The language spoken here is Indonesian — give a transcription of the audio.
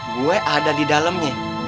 gue ada di dalamnya